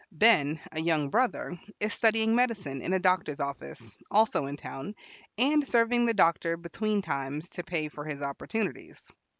Ben, a young brother, is studying medicine in a doctor's office, also in town, and serving the doctor between times to pay for his opportunities.